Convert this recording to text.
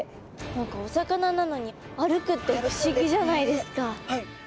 何かお魚なのに歩くって不思議じゃないですか。